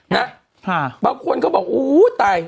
นะบางคนเขาบอกอู้ตาย